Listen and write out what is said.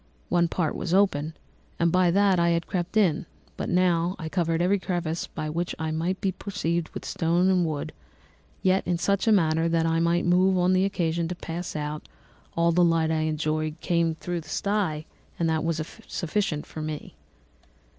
One part was open, and by that I had crept in; but now I covered every crevice by which I might be perceived with stones and wood, yet in such a manner that I might move them on occasion to pass out; all the light I enjoyed came through the sty, and that was sufficient for me.